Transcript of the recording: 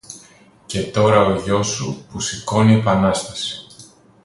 Να τώρα ο γιός σου που σηκώνει επανάσταση.